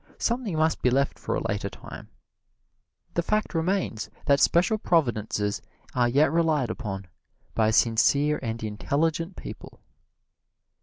Something must be left for a later time: the fact remains that special providences are yet relied upon by sincere and intelligent people.